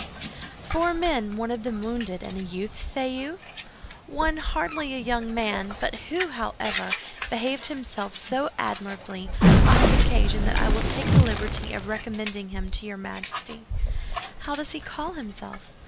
"Four men, one of them wounded, and a youth, say you?" "One hardly a young man; but who, however, behaved himself so admirably on this occasion that I will take the liberty of recommending him to your Majesty." "How does he call himself?"